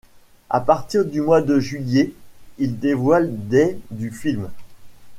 À partir du mois de juillet, il dévoile des du film.